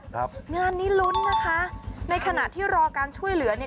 ครับงานนี้ลุ้นนะคะในขณะที่รอการช่วยเหลือเนี่ย